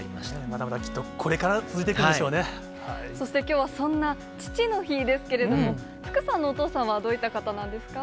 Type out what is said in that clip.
まだまだきっとこれから続いそしてきょうは、そんな父の日ですけれども、福さんのお父さんはどういった方なんですか？